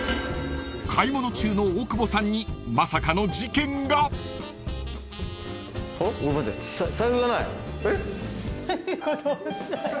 ［買い物中の大久保さんにまさかの事件が］えっ？